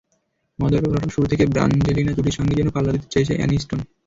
মজার ব্যাপার হলো, শুরু থেকে ব্র্যাঞ্জেলিনা জুটির সঙ্গেই যেন পাল্লা দিতে চেয়েছেন অ্যানিস্টোন।